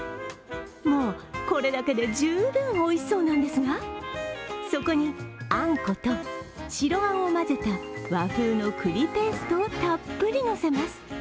もうこれだけで十分おいしそうなんですが、そこに、あんこと白あんを混ぜた和風の栗ペーストをたっぷりのせます。